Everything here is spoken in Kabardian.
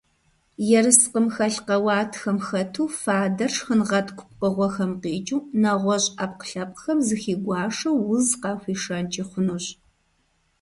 Ерыскъым хэлъ къэуатхэм хэту фадэр шхынгъэткӀу пкъыгъухэм къикӀыу, нэгъуэщӀ Ӏэпкълъэпкъхэм зыхигуашэу, уз къахуишэнкӀи хъунущ.